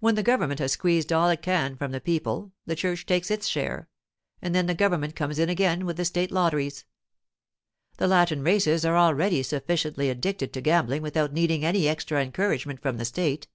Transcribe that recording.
When the government has squeezed all it can from the people, the church takes its share, and then the government comes in again with the state lotteries. The Latin races are already sufficiently addicted to gambling without needing any extra encouragement from the state.